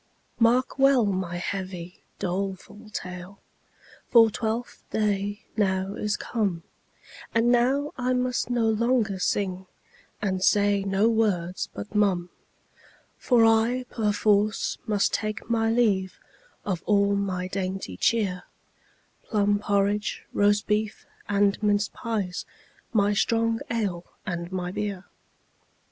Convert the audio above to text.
Mark well my heavy, doleful tale, For Twelfth day now is come, And now I must no longer sing, And say no words but mum; For I perforce must take my leave Of all my dainty cheer, Plum porridge, roast beef, and minced pies, My strong ale and my beer.